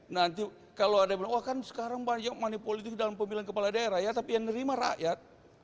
nanti kalau ada yang bilang wah kan sekarang banyak money politik dalam pemilihan kepala daerah ya tapi yang nerima rakyat